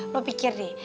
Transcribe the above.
lo pikir deh